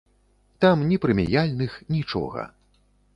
Там ні прэміяльных, нічога.